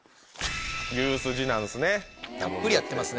牛すじなんすね。